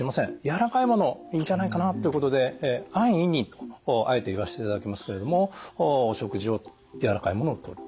やわらかいものいいんじゃないかなっていうことで安易にとあえて言わせていただきますけれども食事をやわらかいものを取る。